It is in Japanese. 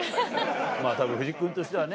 まぁたぶん藤木君としてはね